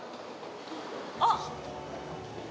あっ！